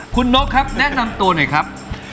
คุณนกครับแนะนำตัวหน่อยครับ